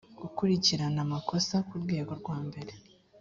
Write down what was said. gukurikirana amakosa ku rwego rwa mbere